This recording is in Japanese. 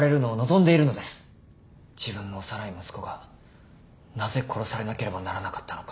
自分の幼い息子がなぜ殺されなければならなかったのか。